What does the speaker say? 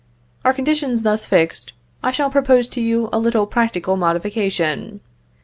Our conditions thus fixed, I shall propose to you a little practical modification.